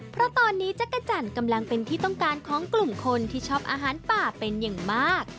เพราะตอนนี้จักรจันทร์กำลังเป็นที่ต้องการของกลุ่มคนที่ชอบอาหารป่าเป็นอย่างมาก